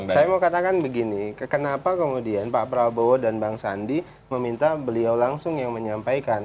saya mau katakan begini kenapa kemudian pak prabowo dan bang sandi meminta beliau langsung yang menyampaikan